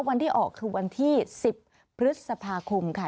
วันที่ออกคือวันที่๑๐พฤษภาคมค่ะ